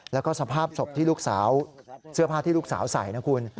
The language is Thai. แล้วก็สภาพศพที่ลูกสาวเสื้อผ้าที่ลูกสาวใส่นะคุณ